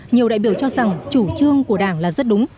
nhiều đại biểu cho rằng chủ trương của đảng là rất đúng